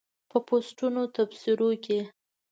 په پوسټونو تبصرو کې